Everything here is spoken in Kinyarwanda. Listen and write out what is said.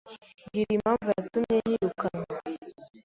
Mbwira impamvu yatumye yirukanwa.